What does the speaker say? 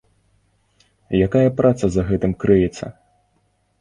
Якая праца за гэтым крыецца?